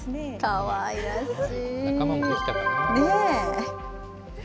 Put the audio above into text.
かわいらしい。